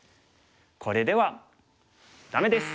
これではダメです。